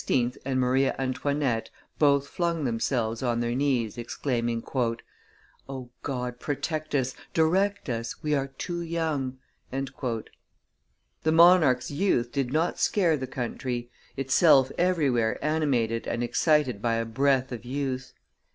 and Maria Antoinette both flung themselves on their knees, exclaiming, "O God, protect us, direct us, we are too young." The monarch's youth did not scare the country, itself everywhere animated and excited by a breath of youth.